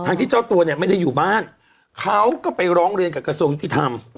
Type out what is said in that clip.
ที่เจ้าตัวเนี่ยไม่ได้อยู่บ้านเขาก็ไปร้องเรียนกับกระทรวงยุติธรรม